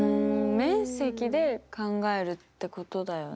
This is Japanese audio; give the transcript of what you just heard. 面積で考えるってことだよね。